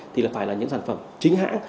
thì phải là những sản phẩm chính hãng